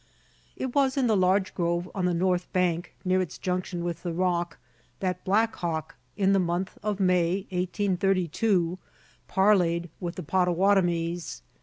It was in the large grove on the north bank, near its junction with the Rock, that Black Hawk, in the month of May, 1832, parleyed with the Pottawattomies.